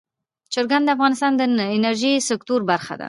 چرګان د افغانستان د انرژۍ سکتور برخه ده.